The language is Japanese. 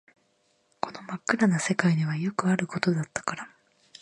この真っ暗な世界ではよくあることだったから